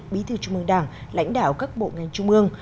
bí thư trung mương đảng lãnh đạo các bộ ngành trung ương